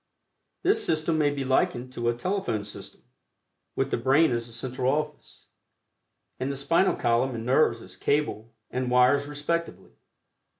This system may be likened to a telephone system, with the brain as the central office, and the spinal column and nerves as cable and wires respectively.